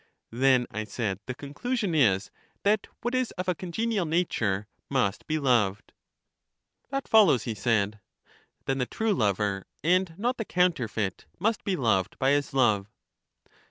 Then, I said, the conclusion is, that what is of a congenial nature must be loved. That follows, he said. Then the true lover, and not the counterfeit, must be loved by his love.